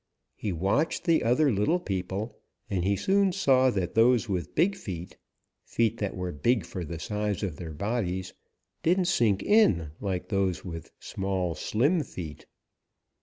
He watched the other little people, and he soon saw that those with big feet, feet that were big for the size of their bodies, didn't sink in like those with small, slim feet.